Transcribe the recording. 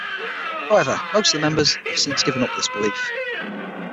However, most of the members have since given up this belief.